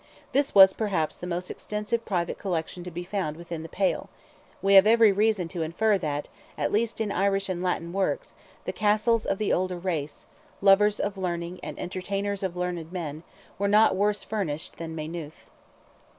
This was, perhaps, the most extensive private collection to be found within the Pale; we have every reason to infer, that, at least in Irish and Latin works, the Castles of the older race—lovers of learning and entertainers of learned men—were not worse furnished than Maynooth.